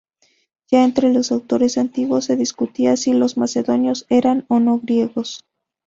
Ya entre los autores antiguos se discutía si los macedonios eran o no griegos.